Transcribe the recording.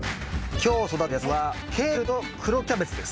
今日育てる野菜はケールと黒キャベツです。